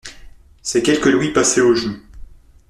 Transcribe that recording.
Ses quelques louis passaient au jeu.